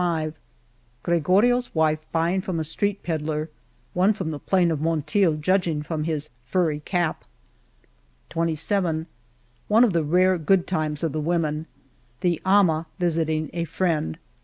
2S Gregoric^s wife buying from a street pedler {one from the plain of Monteil, judging from his furry cap) 23 One of the rare good times of the women. The " ama " visiting a friend.